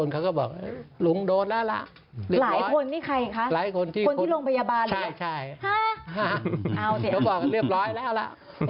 เขาบอกกันเรียบร้อยแล้วล่ะ